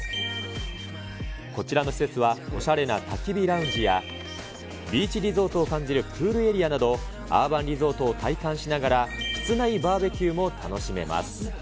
こちらの施設はおしゃれなたき火ラウンジや、ビーチリゾートを感じるプールエリアなど、アーバンリゾートを体感しながら、室内バーベキューも楽しめます。